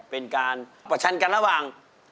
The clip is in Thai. เป็นการประชันกันระหว่าง